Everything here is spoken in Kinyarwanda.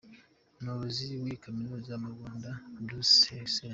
Umuyobozi w’iyi kaminuza mu Rwanda, Bruce H.